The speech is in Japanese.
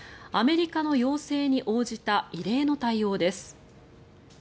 アメリカの要請に応じた異例の対応です。